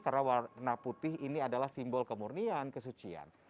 karena warna putih ini adalah simbol kemurnian kesucian